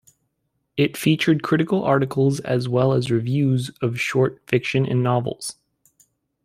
It featured critical articles as well as reviews of short fiction and novels.